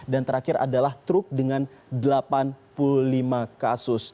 dan terakhir adalah truk dengan delapan puluh lima kasus